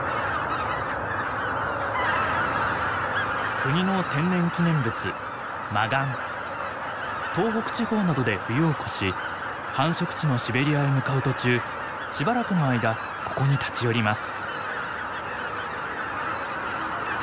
国の天然記念物東北地方などで冬を越し繁殖地のシベリアへ向かう途中しばらくの間ここに立ち寄ります。